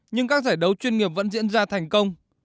nhưng các giải đấu chuyên nghiệp vẫn diễn ra thành công